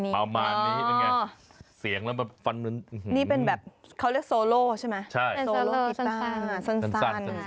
ต้องเอาประมาณนี้อ๋อนี่เป็นแบบเขาเรียกโซโลใช่ไหม